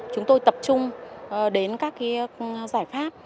chúng tôi tập trung đến các cái giải pháp